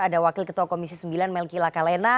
ada wakil ketua komisi sembilan melki lakalena